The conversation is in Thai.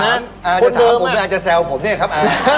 ผมอาจจะแซวผมเนี่ยครับ